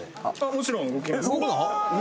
もちろん動きます